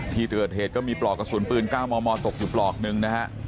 ที่เกิดเหตุก็มีปลอกกระสุนปืน๙มมตกอยู่ปลอกหนึ่งนะฮะ